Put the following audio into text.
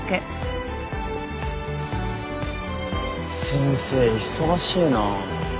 先生忙しいなぁ。